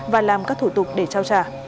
và làm các thủ tục để trao trả